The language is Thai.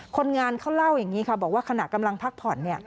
คนงานเขาเล่าอย่างนี้ค่ะบอกว่าขณะกำลังพักผ่อน